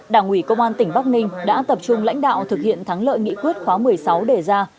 đảng ủy công an tỉnh bắc ninh đã tập trung lãnh đạo thực hiện thắng lợi nghị quyết khóa một mươi sáu đề ra